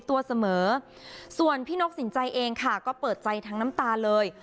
ตัวเสมอส่วนพี่นกสินใจเองค่ะก็เปิดใจทั้งน้ำตาเลย